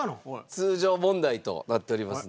通常問題となっておりますので。